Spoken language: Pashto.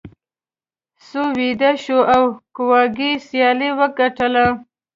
سوی ویده شو او کواګې سیالي وګټله.